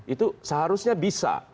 itu seharusnya bisa